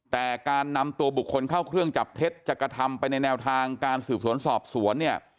แต่การนำตัวบุคคลเข้าเครื่องจับเท็จจะกระทำไปในแนวทางการสืบสวนสอบสวนเนี่ย